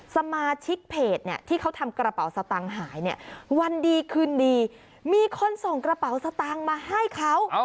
สมาชิกเพจเนี่ยที่เขาทำกระเป๋าสตางค์หายเนี่ยวันดีคืนดีมีคนส่งกระเป๋าสตางค์มาให้เขา